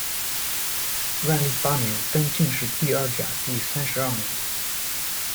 万历八年，登进士第二甲第三十二名。